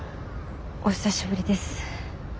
お久しぶりです。